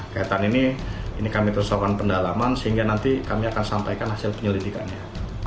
kaitan ini ini kami terus lakukan pendalaman sehingga nanti kami akan sampaikan hasil penyelidikannya